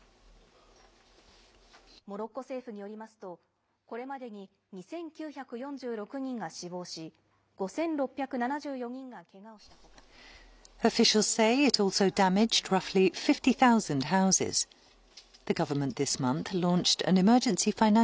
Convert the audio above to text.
モロッコ政府によりますと、これまでに２９４６人が死亡し、５６７４人がけがをしたほか、被害を受けた住宅は５万棟に上っているということです。